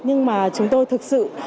nhưng mà chúng tôi thực sự